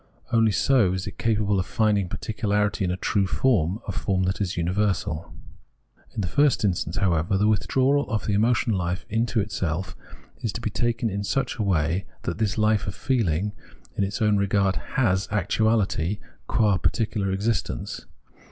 Only so is it capable of finding particularity in a true form, a form that is imiversal. In the first instance, however, the withdrawal of the emotional hfe into itself is to be taken in such a way that this hfe of feehng, in its own regard, has actuahty qua particular existence.